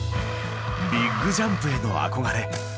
ビッグジャンプへの憧れ。